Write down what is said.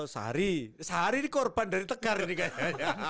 sari sari ini korban dari tegar ini kayaknya